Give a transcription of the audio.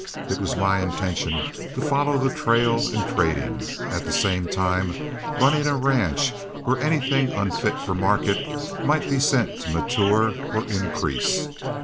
It was my intention to follow the trail and trading, at the same time running a ranch where anything unfit for market might be sent to mature or increase.